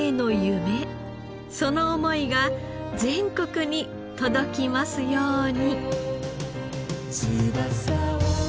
その思いが全国に届きますように。